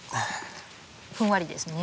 ふんわりですね。